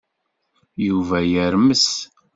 Yuba yermes.